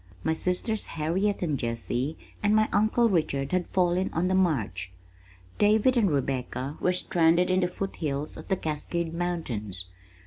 My sisters Harriet and Jessie and my uncle Richard had fallen on the march. David and Rebecca were stranded in the foot hills of the Cascade mountains.